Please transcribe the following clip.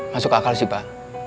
masuk akal sih pak